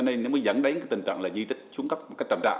nó mới dẫn đến tình trạng di tích xuống cấp một cách trầm trạng